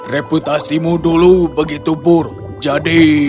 reputasimu dulu begitu buruk jadi